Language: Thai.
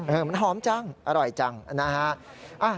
เหมือนหอมจังอร่อยจังนะฮะ